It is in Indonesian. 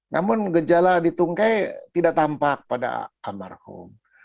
namun gejala di tungkai tidak tampak pada kamar home